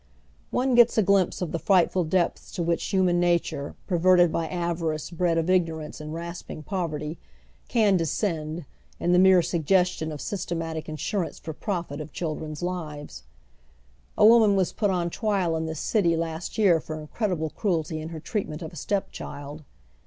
One gets a glimpse of the frightful depths to which human nature, perverted by avarice bred of ignorance and rasping poverty, can descend, in the mere suggestion of systematic insurance for profit of childi en's lives, A woman was pnt on trial in this city last year for incredible cruelty in her treatment of a step child.